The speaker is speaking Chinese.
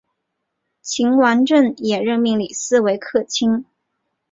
秦王政也任命李斯为客卿。